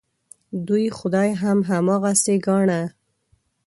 دوی خدای هم هماغسې ګاڼه.